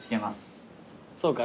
そうか。